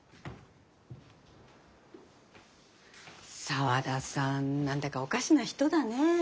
沢田さん何だかおかしな人だね。